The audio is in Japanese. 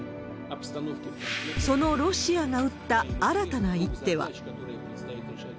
そのロシアが打った新たな一手は。